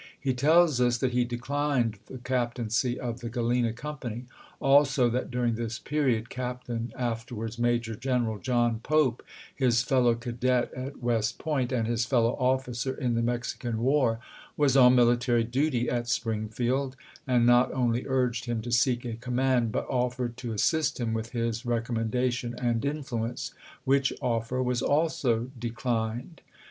He tells us that he declined the captaincy of the Galena company; also that during this peiiod Cap tain (afterwards Major General) John Pope — his fellow cadet at West Point and his feUow officer in the Mexican war — was on military duty at Springfield, and not only urged him to seek a com mand, but offered to assist him with his recom mendation and influence, which offer was also declined.